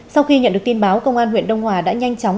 sau khi nhận được tin báo công an huyện đông hòa đã nhanh chóng